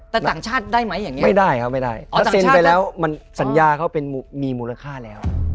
แต่ต่างชาติได้ไหมอย่างนี้ไม่ได้ครับไม่ได้เพราะเซ็นไปแล้วมันสัญญาเขาเป็นมีมูลค่าแล้ว